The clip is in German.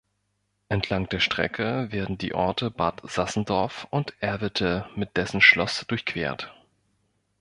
Entlang der Strecke werden die Orte Bad Sassendorf und Erwitte mit dessen Schloss durchquert.